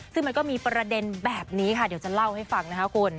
ซึ่งมันก็มีประเด็นแบบนี้ค่ะเดี๋ยวจะเล่าให้ฟังนะคะคุณ